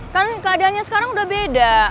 kan keadaannya sekarang udah beda